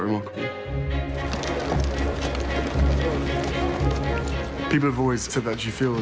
ที่มันไม่อยู่ในปันศาธิ์๙๐ปี